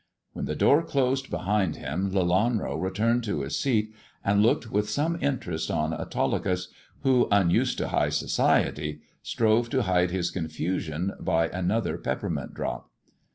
When the door closed behind him, Lelanro returned to his seat and looked with some interest on Autolycus, who, unused to high society, strove to hide his confusion by another peppermint drop.